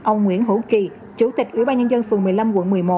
ông nguyễn hữu kỳ chủ tịch ủy ban nhân dân phường một mươi năm quận một mươi một